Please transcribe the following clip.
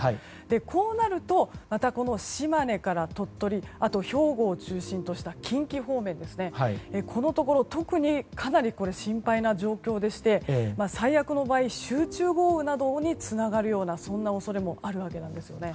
こうなると、島根から鳥取あと兵庫を中心とした近畿方面でこのところ、特にかなり心配な状況でして最悪の場合、集中豪雨などにつながるような恐れもあるわけなんです。